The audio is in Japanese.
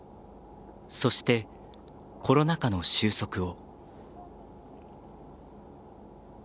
そして、コロナ禍の終息を。